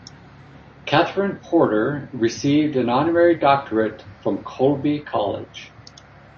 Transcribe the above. Katherine Porter received an honorary doctorate from Colby College.